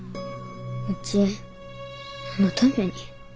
うち何のために。